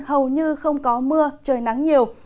hầu như không có mưa trời nắng nhiều